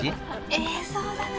ええそうだなあ！